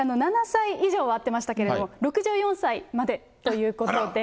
７歳以上は合ってましたけれども、６４歳までということで。